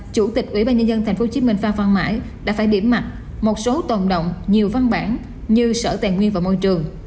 chủ tịch ủy ban nhân dân tp hcm phan văn mãi đã phải điểm mặt một số tồn động nhiều văn bản như sở tài nguyên và môi trường